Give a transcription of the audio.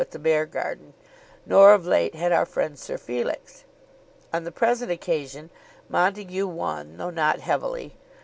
U. at the Beargarden, nor of late had our friend Sir Felix. On the present occasion Montague won, though not heavily.